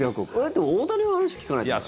でも、大谷の話、聞かなきゃ。